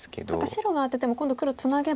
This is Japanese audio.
白がアテても今度黒ツナげば。